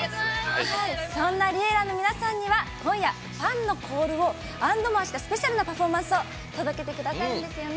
そんなＬｉｅｌｌａ！の皆さんには今夜ファンのコールをａｎｄｍｏｒｅしたスペシャルなパフォーマンスを届けてくださるんですよね。